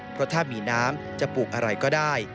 เพราะถ้ามีน้ำจะปลูกอะไรก็ได้